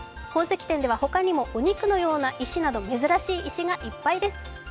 宝石展ではほかにもお肉のような石など珍しい石がいっぱいです。